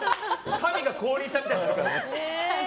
神が降臨したみたいになるからね。